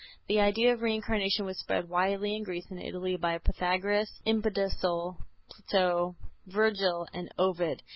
The idea of Reincarnation was spread widely in Greece and Italy by Pythagoras, Empedocles, Plato, Virgil and Ovid.